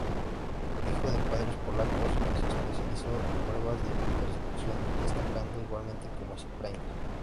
Hijo de padres polacos, se especializó en pruebas de persecución, destacando igualmente como "sprinter".